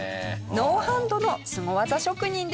ノーハンドのスゴ技職人でした。